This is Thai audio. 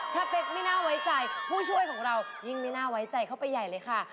ถ้าเป๊กไม่น่าไว้ใจผู้ช่วยของเรายิ่งไม่น่าไว้ใจเข้าไปใหญ่เลยค่ะ